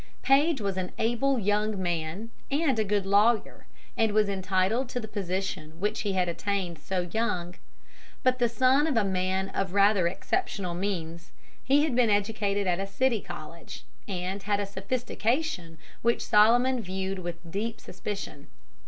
Paige was an able young man and a good lawyer, and was entitled to the position which he had attained so young; but, the son of a man of rather exceptional means, he had been educated at a city college, and had a sophistication which Solomon viewed with deep suspicion.